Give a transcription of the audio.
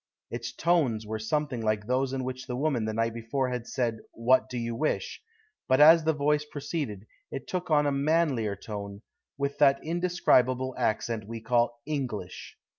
Its tones were something like those in which the woman the night before had said: "What do you wish?" but as the voice proceeded it took on a manlier tone, with that indescribable accent we call "English."